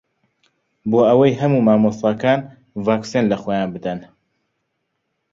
بۆ ئەوەی هەموو مامۆستاکان ڤاکسین لەخۆیان بدەن.